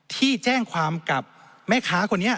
ที่แจ้งความกับแม่ค้าคนนี้